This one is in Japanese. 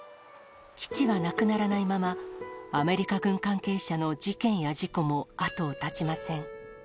基地はなくならないまま、アメリカ軍関係者の事件や事故も後を絶ちません。